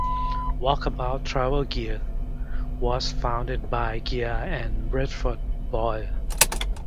Walkabout Travel Gear was founded by Gia and Bradford Boyle.